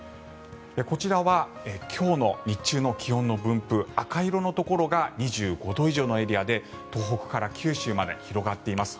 こちらは今日の日中の気温の分布赤色のところが２５度以上のエリアで東北から九州まで広がっています。